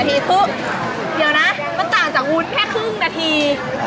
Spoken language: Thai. ปุ๊บเดี๋ยวนะมันต่างจากวุ้นแค่ครึ่งนาที